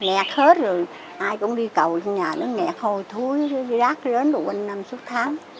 nẹt hết rồi ai cũng đi cầu trên nhà nó nẹt hôi thúi rác rến rồi quanh năm xuất thám